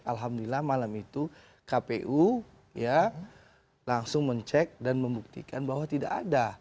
alhamdulillah malam itu kpu ya langsung mencek dan membuktikan bahwa tidak ada